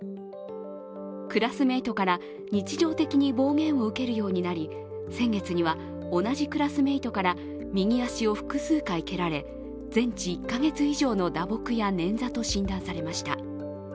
クラスメートから日常的に暴言を受けるようになり、先月には、同じクラスメートから右足を複数回蹴られ、全治１か月以上の打撲や捻挫と診断されました。